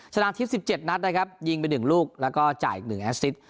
ชนะทิพย์๑๗นัดนะครับยิงไป๑ลูกแล้วก็จ่ายอีก๑แอสซิต